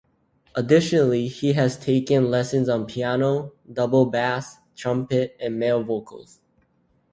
Additionally he has taken lessons on piano, double bass, trumpet and male vocals.